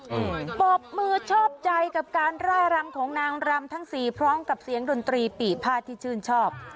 ปบมือชอบใจกับการร่ายรำของนางรำทั้งสี่พร้อมกับเสียงดนตรีปี่ผ้าที่ชื่นชอบ